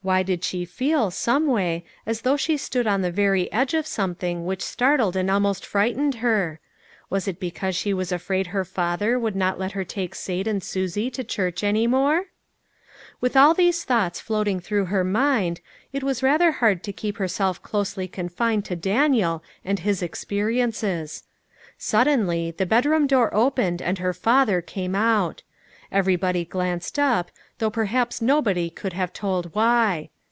Why did she feel, someway, as though she stood on the very edge of something which startled and almost fright ened her ? Was it because she was afraid her father would not let her take Sate and Susie to church any more ? With all these thoughts floating through her mind, it was rather hard to keep herself closely confined to Daniel and his experiences. Sud denly the bedroom door opened and her father came out. Everybody glanced up, though per haps nobody could have told why.